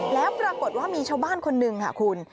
แล้วปรากฏว่ามีชาวบ้านคนหนึ่งค่ะคุณ